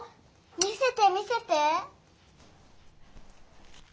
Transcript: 見せて見せて。